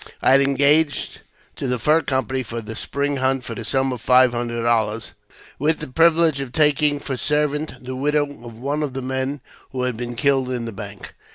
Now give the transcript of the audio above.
I had engaged to the Fur Company for the spring hunt for the sum of five hundred dollars, with the privilege of taking for servant the widow of one of the men who had been killed in the bank.